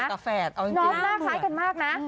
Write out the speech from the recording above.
อยากกับแฝดเอาจริงจริงน้องหน้าคล้ายกันมากนะ